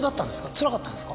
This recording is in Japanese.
つらかったんですか？